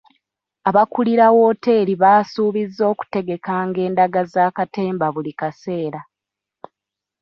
Abakulira wooteeri baasubiza okutegekanga endaga za katemba buli kaseera.